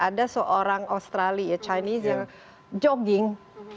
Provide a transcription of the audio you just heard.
ada seorang orang australia orang cina yang jogging